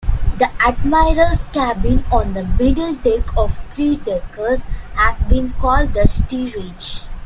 The admiral's cabin on the middle deck of three-deckers has been called the steerage.